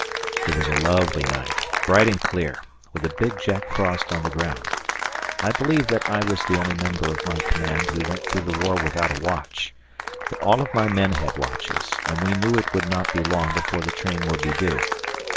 It was a lovely night, bright and clear, with a big Jack Frost on the ground. I believe that I was the only member of my command who wentthrough the war without a watch, but all of my men had watches, and we knew it would not be long before the train would be due.